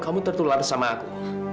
kamu tertular sama aku